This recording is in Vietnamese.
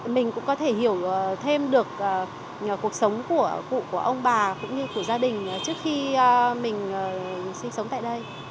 mình cũng có thể hiểu thêm được cuộc sống của cụ của ông bà cũng như của gia đình trước khi mình sinh sống tại đây